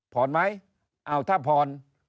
ผ่อนไหมอ้าวถ้าผ่อน